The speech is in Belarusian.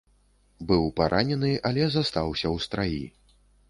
Быў паранены, але застаўся ў страі.